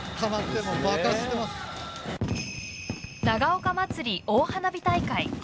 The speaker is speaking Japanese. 長岡まつり大花火大会。